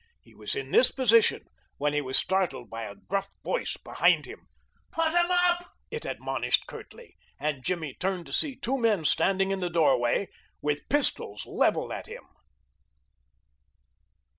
He was in this position when he was startled by a gruff voice behind him. "Put 'em up!" it admonished curtly, and Jimmy turned to see two men standing in the doorway with pistols leveled at him.